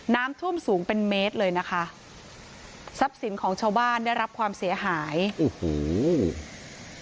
น้ำท่วมสูงเป็นเมตรเลยนะคะทรัพย์สินของชาวบ้านได้รับความเสียหายโอ้โห